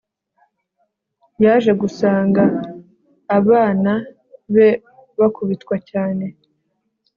yaje gusanga abana be bakubitwa cyane